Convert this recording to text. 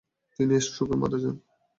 তিনি স্ট্রোকে মারা যান।